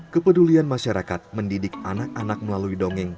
kepedulian masyarakat mendidik anak anak melalui dongeng